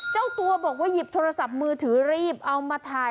เจ้าตัวบอกว่าหยิบโทรศัพท์มือถือรีบเอามาถ่าย